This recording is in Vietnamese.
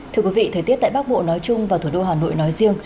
thưa quý vị thời tiết tại bắc bộ nói chung và thủ đô hà nội nói riêng